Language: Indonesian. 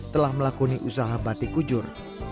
telah melakoni usaha batik kujur